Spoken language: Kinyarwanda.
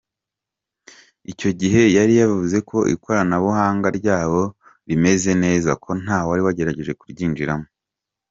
Icyo gihe yari yavuze ko ikoranabuhanga ryabo rimeze neza, ko nta n’uwagerageje kuryinjiramo.